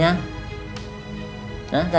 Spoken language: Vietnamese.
hả có à